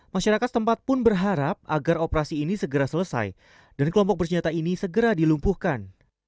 masyarakat tempat pun berharap agar operasi ini segera selesai dan kelompok bersenjata ini segera dilumpuhkan